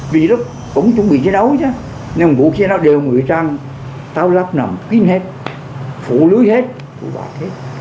vì lúc cũng chuẩn bị chiến đấu chứ nhưng vũ khí đều ngụy trang tàu lắp nằm kín hết phủ lưới hết phủ bạc hết